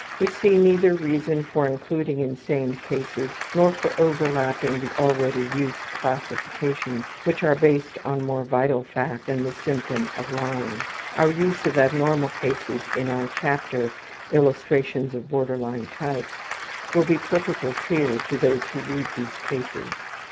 We see neither reason for including insane cases nor for overlapping the already used classifications which are based on more vital facts than the symptom of lying. Our use of abnormal cases in our chapter, ``Illustrations of Border Line Types,'' will be perfectly clear to those who read these cases.